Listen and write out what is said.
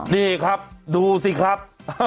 นี่ครับดูสิครับ